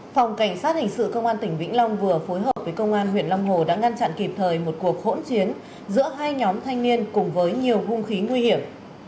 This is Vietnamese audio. phòng cảnh sát hình sự công an tỉnh vĩnh long vừa phối hợp với công an huyện long hồ đã ngăn chặn kịp thời một cuộc hỗn chiến giữa hai nhóm thanh niên cùng với nhiều hung khí nguy hiểm